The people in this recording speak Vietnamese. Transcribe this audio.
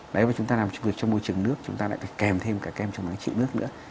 nếu chúng ta làm việc trong môi trường nước chúng ta lại phải kèm thêm cả kem chống nắng trịu nước nữa